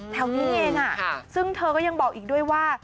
แถวนี้เองซึ่งเธอก็ยังบอกอีกด้วยว่า